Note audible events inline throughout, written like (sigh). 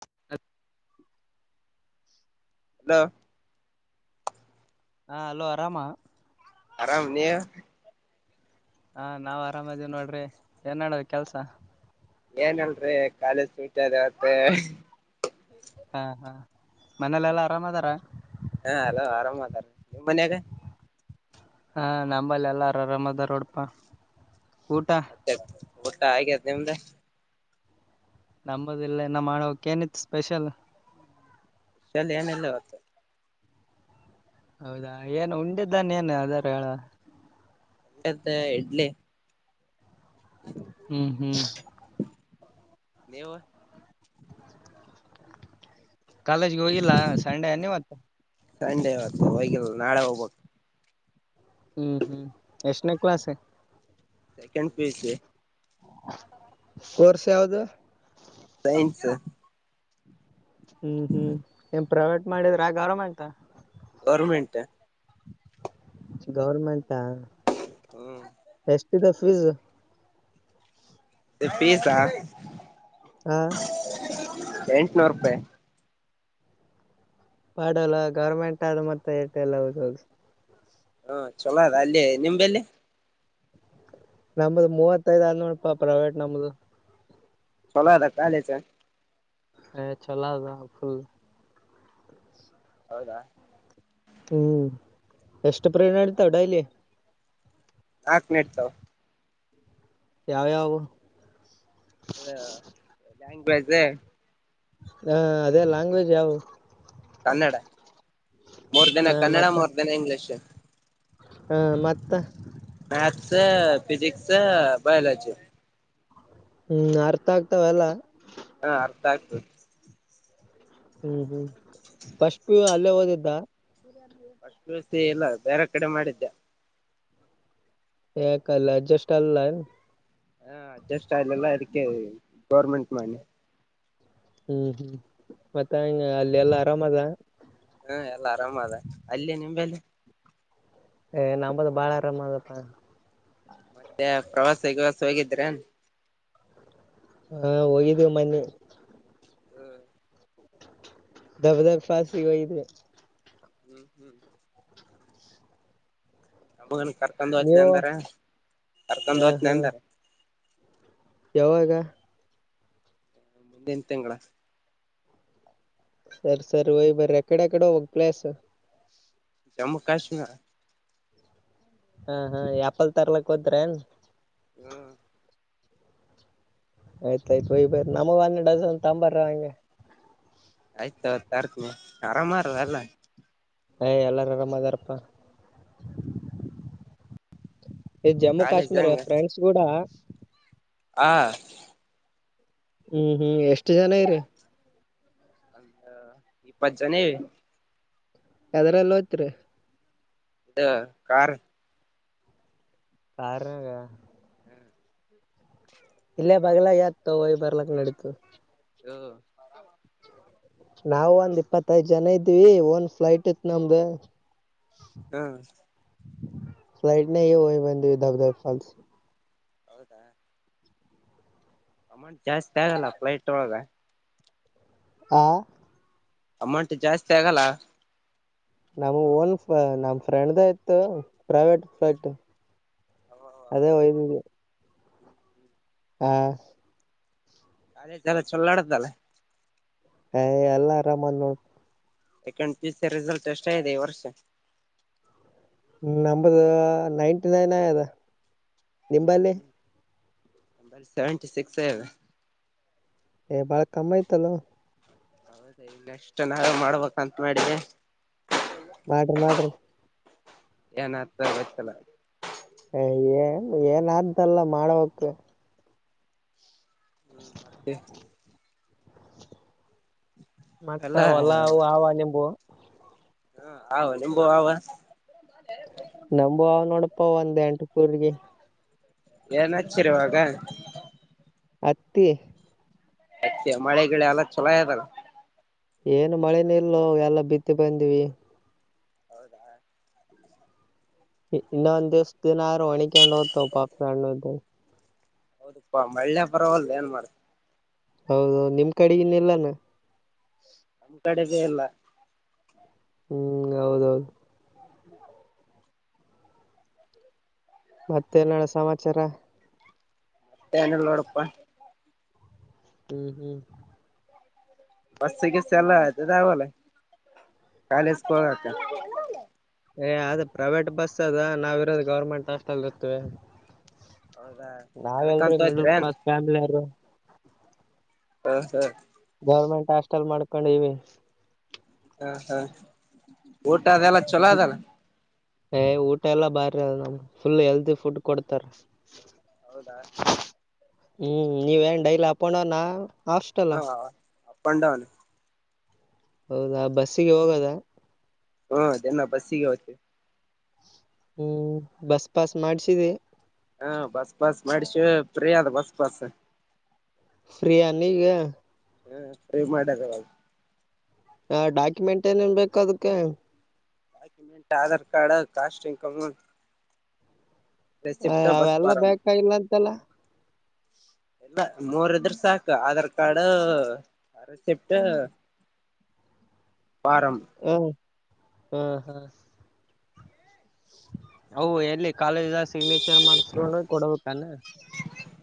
(inaudible) Hello ಹಾ hello ಆರಾಮ. ಆರಾಮ್ ನೀ ಹಾ ನಾವ್ ಆರಾಮ ಅದು ನೋಡ್ರಿ ಏನ್ಡದ ಕೆಲ್ಸ ಏನಲ್ರಿ ಕಾಲೇಜ್ ಸೂಟಿ ಅದ ಅತ್ತೆ ಹಾ ಹಾ ಮನೇಲೆೆಲ್ಲಾ ಆರಾಮ ಅದಾರ. ಹಾ ಅಲ ಆರಾಮ್ದಾರ ನಿಮ್ಮ್ ಮನ್ಯಾಗ ಹಾ ನಂಬಲ್ಲ ಎಲ್ಲರ ಆರಾಮಾದ ನೋಡ್ಪಾ. ಊಟ. ಊಟ್ಟ ಆಗತಿ ನಿಮ್ದ ನಂಬದ ಇಲ್ಲ ಇನ್ನ ಮಾಡಬೆಕ್ ಏನಿತ್ತ ಸ್ಪೆಷಲ್. ಚಲ್ ಏನಲ್ಲ. ಹೌದಾ ಏನ್ ಉಂಡಿದ್ದಾನ ಏನ್ ಅದಾರ ಹೇಳ. ಎತ್ತ ಇಡ್ಲಿ. ಹ್ಮ್ ಹ್ಮ್. ನೀವು ಕಾಲೇಜ್ಗೆ ಹೋಗಿಲ್ಲ ಸಂಡೇನೀವತ್ತು ಸಂಡೆ ಇವತ್ತು ಹೋಗಿಲ್ಲ ನಾಳೆ ಹೋಗ್ಬೇಕು ಹ್ಮ್ ಹ್ಮ್ ಎಷ್ಟನೇ ಕ್ಲಾಸ್ ಸೆಕೆಂಡ್ ಪಿಯುಸಿ ಕೋರ್ಸ್ ಯಾವ್ದ ಸೈನ್ಸ್ ಹ್ಮ್ ಹ್ಮ್ ಏನ್ ಪ್ರೈವೇಟ್ ಮಾಡಿದ್ರಾ ಗೌರ್ಮೆಂಟ ಗೌರ್ಮೆಂಟ್ ಗೌರ್ಮೆಂಟಾ ಹ್ಮ್ ಎಷ್ಟ (unintelligible) ಸ್ಫವಿಿಸ (unintelligible) ಪೀಸಾ ಹ ಎಂಟುನೂರೂಪಾಯಿ ಪಾಡಲ್ಲ ಗೌರ್ಮೆಂಟ್ ಆದ ಮತ್ತೆ ಎಷ್ಟು ಎಲ್ಲ ಹೌದ್ ಹೌದು ಹಾ ಚಲೋ ಅದ ಅಲ್ಲಿ ನಿಂಬೆಲ್ಲಿ ನಮ್ದ ಮೂವತ್ತೈದ್ ಆದ ನೋಡಪಾ ಪ್ರೈವೇಟ್ ನಮ್ದ ಚಲೋ ಅದಾ ಕಾಲೇಜ ಹ ಚಲೊದಫುಲ್ ಹೌದಾ ಹ್ಮ್ ಎಷ್ಟು ಪಿರಡಣಾಡಿತಾವ ಡೈಲಿ ನಾಕು ನಿಡಿತಾವ ಯಾವ್ಯಾವು ಲ್ಯಾಂಗ್ವೇಜ ಹಾ ಅದೇ ಲಾಂಗ್ವೇಜ್ ಯಾವು ಕನ್ನಡ ಮೂರ್ ದಿನ ಕನ್ನಡ ಮೂರ್ ದಿನ ಇಂಗ್ಲೀಷ್ ಹಾ ಮತ್ತ ಮ್ಯಾಥ್ಸ ಫಿಜಿಕ್ಸ್ ಬಯೋಲಜಿ ಹ್ಮ್ ಅರ್ಥ ಆಗ್ತಾವೆಲ್ಲ ಹಾ ಅರ್ಥ ಆಗ್ತವ್ ಹ್ಮ್ ಹ್ಮ್ ಫಸ್ಟ್ ಪಿಯು ಅಲ್ಲೇ ಒ ಇದಾ ಅಷ್ಟ ವ್ಯವಸ್ಥೆ ಇಲ್ಲ ಬೇರೆ ಕಡೆ ಮಾಡಿದ್ದೆ ಯ ಕಲ್ಲ ಅಡ್ಜಸ್ಟ್ ಆಲಿಲ್ಲ ಹಾ ಅಡ್ಜಸ್ಟ ಆಲಿಲ್ಲಾ ಅದಕ್ಕೆ ಗೋರ್ಮೆಂಟ್ ಮನೆ ಹ್ಮ್ ಹ್ಮ್ ಮತ್ತೆ ಹಂಗ ಅಲ್ಲೆಲ್ಲಾ ಆರಾಮದ ಹ್ಮ ಎಲ್ಲ ಆರಾಮ ಅದ ಅಲ್ಲಿ ನಿಂಬೇಲೆ ಏ ನಂಬದ ಬಾಳಾರ್ರಮದಪ್ಪಾ ಮತ್ತೆ ಪ್ರವಾಸಗವಾಸ ಹೋಗಿದ್ರೆ ಹಾ ಹೋಗಿದ್ದೀವಿ ಮನ್ನಿ ಹ್ಮ್ ಧಬಧಬ ಫಾಸಿ ವೈ ರ ಹ್ಮ್ (unintelligible) ಕರ್ಕೊಂಡ್ ಹೋತ್ನೆ ನೀವು ಅಂದಾರ ಕರ್ಕೊಂಡ ಹ ಹಓತ್ನೆ ಹಾ ಅಂದಾರ ಯಾವಾಗ. ಮುಂದಿನ ತಿಂಗಳ. ಸರಿ ಸರಿ ಒಯ್ ಬರ್ರಿ ಎಕಡೆ ಎಕಡೆ ಹೋಗ ಪ್ಲೇಸು. ಜಮ್ಮು ಕಾಶ್ಮೀರ. ಹಾ ಹಾ ಯಪಲ್ ತರ್ಲಕ್ ಹೋದ್ರೇನ್. ಹ್ಮ್ ಆಯ್ತಾಯಯ್ತು ಹೋಗಿ ಬರ್ರಿ ನಮಗೆ ಒಂದ ಡಸನ್ ತಂಬರ್ರಿ ಹಂಗೆ. ಆಯ್ತ ತರ್ತಿನಿ ಆರಾಮಾರಲ್ಲ ಎಲ್ಲಾರ ಆರಾಮದಾರಪ್ಪಾ. ಜಮ್ಮು ಕಾಲೇಜ್ ಕಾಶ್ಮೀರ್ ಫ್ರೆಂಡ್ಸ್ ಕೂಡ ಹ ಹ್ಮ್ ಹ್ಮ್ ಎಷ್ಟ್ ಜನ ಇರಿ. ಈಪ್ಪಜನೆ ಯಾದರಲ್ಲಿ ಹೋಯ್ತ್ರಿ. (unintelligible) ಕಾರ್ಯಗಾ ಇಲ್ಲೇ ಬಗ್ಲಾಗ ಯತ್ ಹೊಯ್ ಬರ್ಲಕ್ ನಡತು (inaudible) ನಾವವು ಒಂದ್ ಇಪ್ಪತ್ತೈದ್ ಜನ ಇದ್ದ್ವಿ ಒಂದ್ ಫ್ಲೈಟ್ ಇತ್ ನಮ್ದು. ಹ್ಮ ಫ್ಲೈಟ್ ನಗೆ ಹೋಗಿ ಬಂದು ಧಬಧಬೆಫಾಲ್ಸ. (inaudible) ಜಾಸ್ತಿ ತಗೋಳಲ್ಲ ಫ್ಲೈಟ್ ಒಳಗ. ಹ ಅಮೌಂಟ್ ಜಾಸ್ತಿ ಆಗಲ್ಲ. ನಮ್ ಓನ್ ನಮ್ ಫ್ರೆಂಡ್ದ ಇತ್ತು. ಹೌದಾ (unintelligible) ಹಾ ಅದೇ ಚಲ ಚೊಲಾಡದಲ್ಲ. ಹ ಅಲ್ಲ ಆರಾಮ ಆದ್ ನೋಡ್. Second P U C result ಎಷ್ಟ ಆಗಿದೆ ಈ ವರ್ಷ. ನಂಬರ್ ನೈನ್ಟಿ ನೈನ್ ಆಗ್ಯದ ಹ್ಮ್ ನಿಂಬಲ್ಲಿ ಹ್ಮ್ ನಾಬಲ್ಲಿ ಸೆವೆಂಟಿ ಸಿಕ್ಸ್ ಆಗಿದ. ಏ ಬಾಳ ಕಮ್ಮ ಆಯ್ತಲೊ ಹೌದ ಇಲ್ಲ ಎಷ್ಟುನಾರು ಮಾಡ್ಬೇಕಂತ ಮಾಡಿದೆ. ಮಾಡ್ರಿ ಮಾಡ್ರಿ ಎನತ್ತ ಗೊತ್ತಿಲ್ಲಾ (unintelligible) (unintelligible) ಎಲ್ಲ (unintelligible) ಹ ಹವು ನಿಂಬು ಹಾವ (unintelligible) ನಮು ಅವ ನೋಡಪ್ಪ ಒಂದ ಎಂಟಕೂರ್ರಿಗಿ (unintelligible) ಏನ್ ಹಚ್ಚಿರಿವಾಗ (unintelligible) ತ್ತಿ (unintelligible) ಅತ್ತೆ ಮಳೆಗಿಳೆ ಎಲ್ಲ ಚೋಲೋ ಇದಲ್ಲ (unintelligible) ಏನು ಮಳೆನೆ ಇಲ್ಲೋ ಎಲ್ಲ ಬಿತ್ತಿ ಬಂದಿವಿ (unintelligible) ಹೌದಾ (unintelligible) ಇನ್ನೊ ಒಂದ್ ದಿವ್ಸ ದಿನರು ಒಣಿಕೊಂಡು ಹೋಗ್ತವು ಪಾಕ್ಣುರನ್ (unintelligible) ಹೌದಪ್ಪಾ ಮಳ್ಳೆ ಪರವದಲ್ಲ ಏನ್ ಮಾಡ್ (unintelligible) ಹೌದು ನಿಮ್ ಕಡಿಗಿನ್ನಲ್ಲಾನ (unintelligible) ನಮ್ಮ್ ಕಡೆದೇ ಎಲ್ಲ (unintelligible) ಹ್ಮ್ ಹೌದೌದು (unintelligible) ಮತ್ತೆ ಎನ್ ಅನ ಸಮಾಚಾರ (unintelligible) ಏನಿಲ್ಲ ನೋಡಪ್ಪಾ (unintelligible) ಹ್ಮ್ ಹ್ಮ್ (unintelligible) ಬಸ್ಸಿಗೀಸ್ ಎಲ್ಲ ಈದಾವಲ್ಲ ಕಾಲೇಜ ಹೋಗಕ (unintelligible) ಅದ ಪ್ರೈವೇಟ್ ಬಸ್ ಅದ ನಾವ್ ಇರೋದು ಗೌರ್ಮೆಂಟ್ ಹಾಸ್ಪೆಲ್ ಗೊತ್ತು ಹೌದಾ (unintelligible) ನಾವೆಲ್ರು ನಡ್ಕಂತ ಮಿಡ್ಲ್ ಹೋಗ್ತಿರೇನ್ ಕ್ಲಾಸ್ ಫ್ಯಾಮಿಲಿ ಯರು (unintelligible) (inaudible) ಹಾ ಹಾ (unintelligible) ಗೌರ್ಮೆಂಟ್ ಹಾಸ್ಟೆಲ್ ಮಾಡ್ಕೊಂಡೀವಿ (unintelligible) ಹ ಹಾ ಊಟ ಅದೆಲ್ಲ ಚೊಲೋ ಅದಲ್ಲ (unintelligible) ಏ ಊಟ ಎಲ್ಲಾ ಬಾರಿ ಅದ ಫುಲ್ ಹೇಳ್ತಿ ಫುಡ್ ಕೊಡ್ತಾರ (unintelligible) ಹೌದಾ (unintelligible) ಹ್ಮ್ ನೀವೆನ್ ಡೈಲಿ ಉಪಂಡ್ಡೌನ್ ಆ (unintelligible) ಆಸ್ಟ್ರೆಲ (unintelligible) ಅಪ್ಪಂಡೌನ್ (unintelligible) ಹೌದಾ ಬಸ್ಸಿಗೆ ಹೋಗದ (unintelligible) ಹಾ ದಿನ ಬಸ್ಸಿಗೆ ಹೋಗ್ತೀವಿ (unintelligible) ಹ್ಮ್ ಬಸ್ ಪಾಸ್ ಮಾಡ್ಸಿದೀ (unintelligible) ಹಾ ಬಸ್ ಪಾಸ್ ಮಾಡ್ಸಿವಿ ಪ್ರಿ ಅದ ಬಸ್ ಪಾಸ್ (unintelligible) ಫ್ರೀಯಾ ನೀಗ (unintelligible) ಹಾ ಸರಿ ಮಾಡ್ಯಾರ ಅವಾಗ (unintelligible) ಮೇಂಟೈನ್ನ್ ಬೇಕ ಅದಕ್ಕೆ (unintelligible) ಆಧಾರ್ ಕಾರ್ಡ್ ಕಾಸ್ಟ್ ಇನ್ಕಮ್ (unintelligible) ಅ ರೆಸಿಪ್ಟ್ ಬಸ್ ಅವೆಲ್ಲ ಫಾರಂ ಬೇಕಾಗಿಲ್ಲ ಅಂತಲ್ಲ (unintelligible) ಎಲ್ಲ ಮೂರ್ ಇದ್ರ ಸಾಕು ಆಧಾರ್ ಕಾರ್ಡ್ ರಸಿಪ್ಟ್ (unintelligible) ಫಾರಂ (unintelligible) ಹಾ ಹಾ (unintelligible) ಹೌ ಎಲ್ಲಿ (unintelligible) ಕಾಲೇಜ್ ಸಿಗ್ನೇಚರ್ ಮಾಡಸಕೊಂಡ ಕೊಡಬೇಕಾನ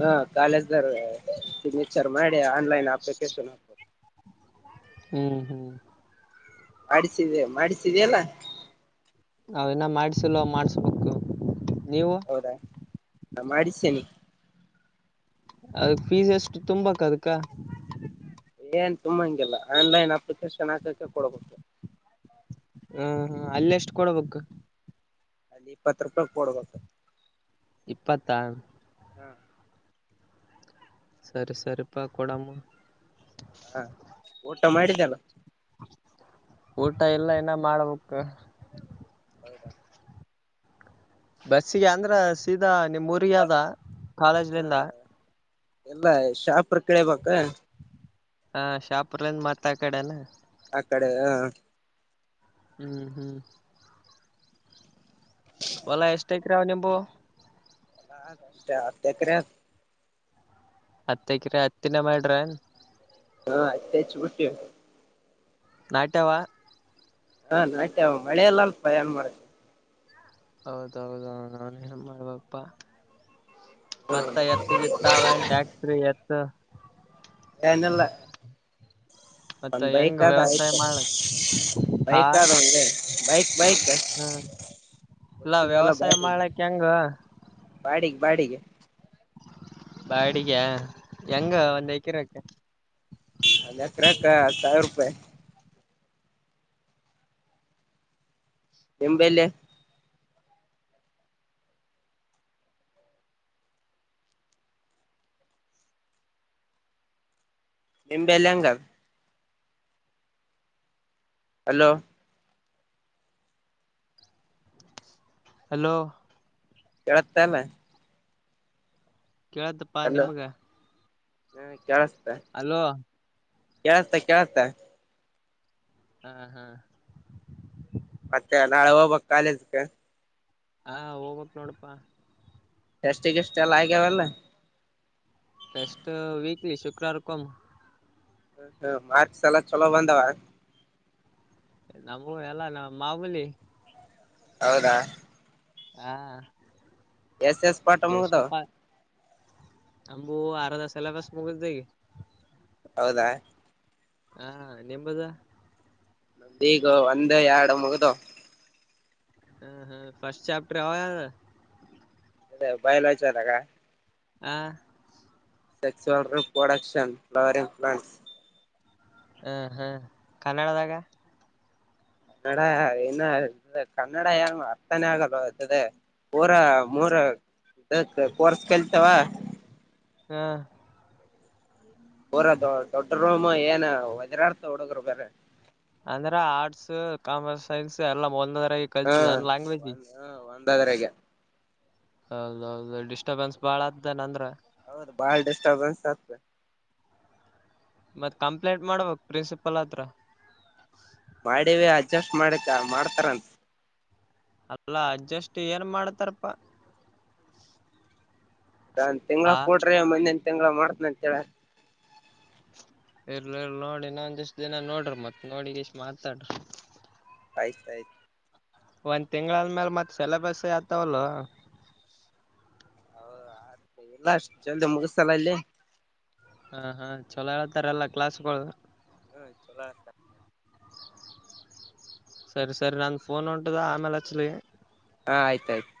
ಹಾ ಕಾಲ (unintelligible) ಸಿಗ್ನೇಚರ್ ಮಾಡಿ ಆನ್ಲೈನ್ ಅಪ್ಲಿಕೇಶನ್ ಹಾುದು ಹ್ಮ್ ಹ್ಮ್ ಮಾಡಿಸಿದ ಮಾಡಿಸಿದಲ್ಲ ಅವನ ಮಾಡಿಸಲ್ಲ ಮಾಡ್ಸಬೇಕು ಹೌದಾ ನಾ ಮಾಡ್ನೆ ಅದಕ್ ಫೀಸ್ ಎಷ್ಟು ತುಂಬಕ್ ಅದಕ್ಕ ಏನ್ ತುಂಬ ಹಂಗಿಲ್ಲ ಆನ್ಲೈನ್ ಅಪ್ಲಿಕೇಶನ್ ಹಾಕಕ್ಕೆ ಕೊಡಬೇಕು ಹ್ಮ ಹಾ ಅಲ್ಲ ಎಷ್ಟು ಕೊಡಬೇಕು ಅಲ್ಲಿ ಇಪ್ಪತ್ತು ರೂಪಾಯ ಕೊಡ್ಬೇಕ ಇಪ್ಪತ್ತಾ ಸರಿ ಸರಿ ಪಾ ಕೊಡಮ್ಮಾಮ ಟ ಮಾಡಿದ್ದಲ್ಲ ಊಟ ಎಲ್ಲ ಏನ ಮಾಡ್ಬೇಕಕ್ ಹೌದಾ ಬಸ್ಸಿಗೆ ಅಂದ್ರ ಸೀದಾ ನಿಮ್ಮ್ ಊಯಾದ ಹಾ ಕಾಲೇಜ್ಲಿಂದ ಎಲ್ಲ ಶಾಪ್ರ ಕಳಬೇಕ ಹ ಶಾಪ್ರಂದ ಮತ್ತ ಆ ಕಡೆನಾ ಅಕ್ಕಡೆ ಹ್ಮ್ ಹ್ಮ್ ಹೊಲಾ ಎಷ್ಟ ಐತಿರಾವ ನಿಂಬು ಎಲ್ಲ ಅಷ್ಟೇ ಅತ್ತ ಎಕ್ರೆ ಹತ್ತಕಿರ ಹತ್ತಿನ ಮಾಡಡ್ರ ಹಾ ಅಚ್ಚ ಚ ಊಟ್ಟ ನಾಟ್ಯವಾ ಹಾ ನಾಟ ಅವ ಮಳೆಲ್ಲ ಅಲ್ಪ ಏನ್ ಮಾಡತ್ತ ಹೌದೌದಾ ನಾನ ಏನ ಮಾಡುವಪ್ಪಾ ಮತ್ತ ಎತ್ತಗಿತ್ತ ಅವ ಟ್ಯಾಕ್ಟ್ರಿ ಎ ತ್ತ ಏನಲ್ಲ ಮತ್ತ ಒಂದ ಬೈಕ್ ಹೆಂಗ್ ಆದ ವ್ಯವಸಾಯ ಆಯ್ತ ಮಾಡ್ಲಕ್ ಆ ಬೈಕ್ ಆದ ಒ ಬೈಕ್ ಬೈಕ್ ಹ್ಮ್ ಇಲ್ಲ ಹಕಿದಲ್ಲ ಬ ವ್ಯವಸಾಯ ಮಾಡಕ್ ಹೆಂಗ ಬಾಡಿಗೆ ಬಾಡಿಗೆ ಬಡಿಗೆ ಹೆಂಗ ಒಂದ್ ಎಕರಕ್ಕೆ ಅ ಎಕರೆಕ್ಕ ಸಾವಿರ ರೂಪಾಯಿ ನಿಂಬಲ್ಲ ನಿಂಬೆ ಎಲ್ಲ ಹೆಂಗಾಗ ಅಲೋ ಹಲೋ ಕೆಳತ್ತ ಅಲ್ಲ ಕೇಳ್ದಪ್ಪ ಹಲೋ ನಿಮಗೆ ಹಾ ಕೆಳಸ್ತ ಕೇಳ್ಸ್ತ ಕೇಳತ್ತ ಹಾ ಹಾ ಮತ್ತೆ ನಾಳೆ ಹೋಗ್ಬಕ್ ಕಾಲೇಜ್ಗೆ ಹ ಹೋಬಕ್ ನೋಡಪ್ಪಾ ಟೆಷ್ಟಗಿಷ್ಟ ಎಲ್ಲ ಆಗ್ಯವೆಲ್ಲ? ಟೆಸ್ಟ್ ವೀಕ್ಲಿ ಶುಕ್ರಾರ ಕೊಮ್ ಹ್ಮ್ ಹ್ಮ್ ಮಾರ್ಕ್ಸ್ ಎಲ್ಲ ಚಲೋ ಬಂದವಾ? ನಮ್ಮೂ ಎಲ್ಲ ನ ಮಾಮೂಲಿ ಹೌದಾ ಹಾ ಎಸ್ ಎಸ್ ಪಾಠ ಮುಗದವ? ನಂಬು ಆರದ ಸೆಲೆಬಸ್ ಮುಗ್ದಗಿ ಹೌದಾ ಹಾ ನಿಂಬದ ನಮ್ದ ಈಗ ಒಂದ ಎರಡು ಮುಗ್ದವ್ ಹ್ಮ್ ಹ ಫರ್ಸ್ಟ್ ಚಾಪ್ಟರ್ ಯಾವ ಯ ಅದೇ ಬಯಲು ವಚದಾಗ. ಹಾ sexual reproduction flowering plants ಹ್ಮ ಹ್ಮ್ ಕನ್ನಡದಾಗ ಕನ್ನಡ ಇನ್ನ ಕನ್ನಡ ಏ ಅರ್ಥನೇ ಆಗಲ್ವ ಅದೆ ಊರ ಮೂರ ಇದ ಕೋರ್ಸ್ ಕಲ್ತೇವ ಹಾ ಪೂರ ದೊ ದೊಡ್ಡ ರೂಮ ಏನ ಒದ್ರಾಡ್ತವ ಹುಡುಗರು ಬೇರೆ ಅಂದ್ರ ಆರ್ಟ್ಸ್ ಕಾಮರ್ಸ್ ಸೈನ್ಸ್ ಎಲ್ಲಾ ಮೊಂದ ಹ್ಮ ಒ ಹ ಒನ್ ದದರೆಗೆ ಹೌದೌದು ಡಿಸ್ಟರ್ಬೆನ್ಸ್ ಬಾಳ ಅತ್ತೇನಂದ್ರ ಬಾಳ ಡಿಸ್ಟರ್ಬನ್ಸ್ ಆತ್ತ್ ಮತ್ತ್ ಕಂಪ್ಲೇಂಟ್ ಮಾಡ್ಬೇಕ್ ಪ್ರಿನ್ಸಿಪಲ್ ಹತ್ರ. ಮಾಡಿವ ಅಡ್ಜಸ್ಟ್ ಮಾಡ್ಕ ಮಾಡ್ತಾರನ್ ಅಲ್ಲಾ ಅಡ್ಜಸ್ಟ್ ಏನ್ ಮಾಡ್ತಾರಪ್ಪಾ ತಿಂಗ್ಳ ಹಾ ಕೊಟ್ರಿ ಏನ್ ಮುಂದಿನ್ ತಿಂಗಳ ಮಾಡತ್ನ ಅಂತೇಳ ಇರ್ಲ್ ಇರ್ಲ್ ನೋಡಿ ಇನ್ನೊಂದಿಷ್ಟ್ ದಿನ ನೋಡ್ರಿ ಮತ್ ನೋಡಿ ಇಷ್ಟ ಮಾತಾಡ್ರಿ. ಆಯ್ತ ಆಯತ್ ಒಂದ್ ತಿಂಗಳಾದ್ಮೇಲ ಮತ್ತ ಸೆಲೆಬಸ್ ಆತಾವಲ್ಲೋ ಹೌದಾ ಆತ್ ಇಲ್ಲ ಅಷ್ಟ ಜಲ್ದಿ ಮುಗಿಸಲ್ಲ ಇಲ್ಲಿ. ಹ ಹಾ ಚಲೋ ಹೇಳ್ತಾರಲ್ಲ ಕ್ಲಾಸ್ಗಳು ಹ್ಮ್ ಚಲೋ ಹೇಳ್ತಾರ ಸರಿ ಸರಿ ನಂದು ಫೋನ್ ಹೊಂಟದ ಆಮೇಲಚ್ಲಿ? ಹಾ ಆಯ್ತಾಯ್ತು